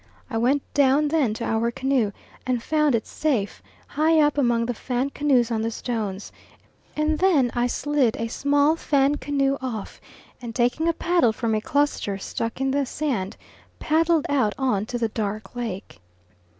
I went down then to our canoe and found it safe, high up among the Fan canoes on the stones, and then I slid a small Fan canoe off, and taking a paddle from a cluster stuck in the sand, paddled out on to the dark lake.